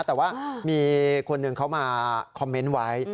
แต่ว่ามีคนหนึ่งเขามาคอมเมนต์ไว้